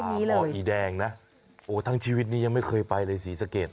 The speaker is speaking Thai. บอดอีแดงนะทั้งชีวิตนี้ยังไม่เคยไปเลยสีสะเกียร์